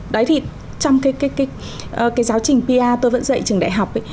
đấy thì trong cái giáo trình pr tôi vẫn dạy trường đại học ấy